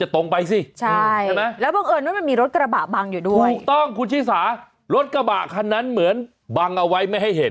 ตรงไปสิใช่แล้วมีรถกระป๋าบังอยู่ด้วยต้องคุณชิสอารถกระป๋าคันนั้นเหมือนบังเอาไว้